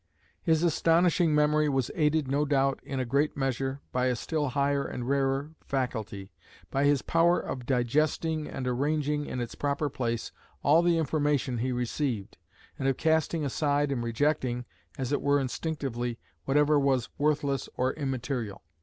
His astonishing memory was aided, no doubt, in a great measure, by a still higher and rarer faculty by his power of digesting and arranging in its proper place all the information he received, and of casting aside and rejecting, as it were instinctively, whatever was worthless or immaterial.